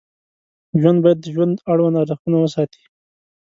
ژوند باید د ژوند اړوند ارزښتونه وساتي.